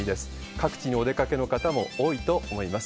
各地にお出かけの方も多いと思います。